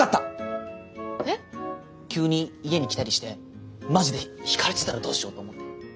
急に家に来たりしてマジで引かれてたらどうしようと思って。